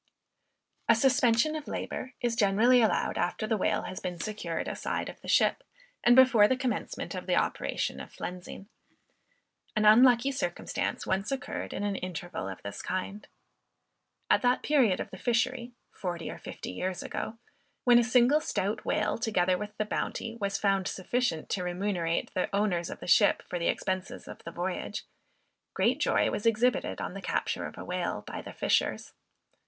A suspension of labor is generally allowed after the whale has been secured aside of the ship, and before the commencement of the operation of flensing. An unlucky circumstance once occurred in an interval of this kind. At that period of the fishery, (forty or fifty years ago,) when a single stout whale together with the bounty, was found sufficient to remunerate the owners of a ship for the expenses of the voyage, great joy was exhibited on the capture of a whale, by the fishers.